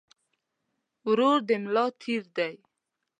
ورور د ملا تير دي